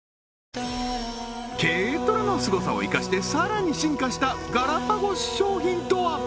軽トラのスゴさを生かしてさらに進化したガラパゴス商品とは？